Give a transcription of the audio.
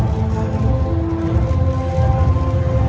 สโลแมคริปราบาล